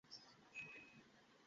বাবার নাম গাঙ্গুলী, আমরা বাঙালি।